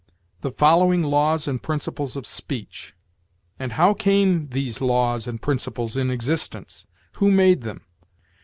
"The following laws and principles of speech." And how came these laws and principles in existence? Who made them?